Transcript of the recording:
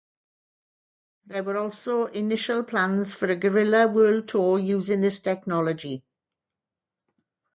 There were also initial plans for a Gorillaz world tour using this technology.